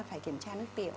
phải kiểm tra nước tiểu